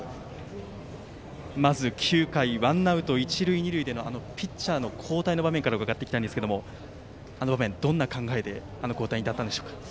まず９回ワンアウト、一塁二塁でのあのピッチャーの交代の場面伺っていきたいんですがあの場面どんな考えで交代に至ったんでしょうか。